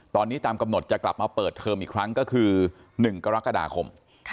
ตอนนี้ตามกำหนดจะกลับมาเปิดเทอมอีกครั้งก็คือ๑กรกฎาคม